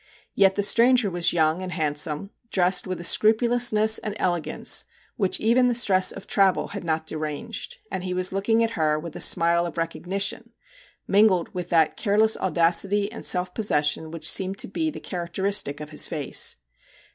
Yet the stranger was young and hand some, dressed with a scrupulousness and elegance which even the stress of travel had not deranged, and he was looking at her with a smile of recognition, mingled with that care less audacity and self possession which seemed to be the characteristic of his face.